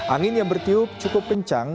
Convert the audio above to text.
angin yang bertiup cukup kencang